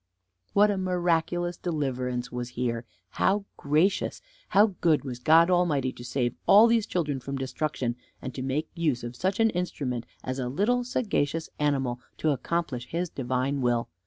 What a miraculous deliverance was here! How gracious! How good was God Almighty to save all these children from destruction, and to make use of such an instrument as a little sagacious animal to accomplish his divine will!